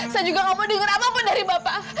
saya juga tidak mau dengar apa apa dari bapak